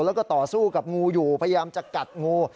แล้วก็ต่อสู้กับงูอยู่พยายามจะกัดงู